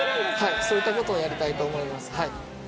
そういったことをやりたいと思います。